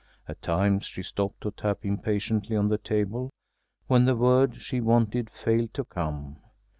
At times she stopped to tap impatiently on the table, when the word she wanted failed to come.